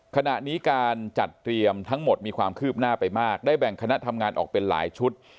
ขณะนี้การจัดเตรียมทั้งหมดมีความคืบหน้าไปมากได้แบ่งคณะทำงานออกเป็นหลายชุด